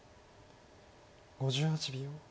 ５８秒。